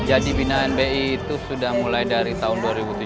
jadi binaan bi itu sudah mulai dari tahun dua ribu tujuh belas